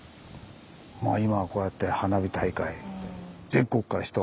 まあ今はこうやって花火大会全国から人が集まるように。